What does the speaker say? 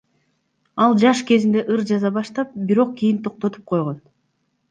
Ал жаш кезинде ыр жаза баштап, бирок кийин токтотуп койгон.